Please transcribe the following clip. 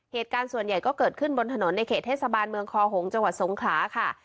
เหตุการณ์ส่วนใหญ่ก็เกิดขึ้นบนถนนในเขตเทศบาลเมืองคอหงษ์จังหวัดสงขลาค่ะ